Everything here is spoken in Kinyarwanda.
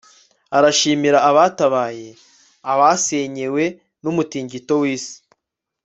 arashimira abatabaye abasenyewe n'umutingito w'isi